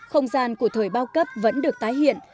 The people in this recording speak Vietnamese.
không gian của thời bao cấp vẫn được tái hiện